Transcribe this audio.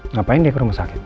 ngapain dia ke rumah sakit